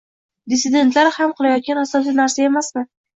“dissidentlar” ham qilayotgan asosiy narsa emasmi?